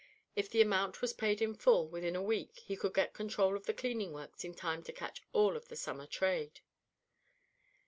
If the amount was paid in full within a week he could get control of the cleaning works in time to catch all of the summer trade.